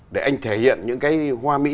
để anh thể hiện những cái hoa mỹ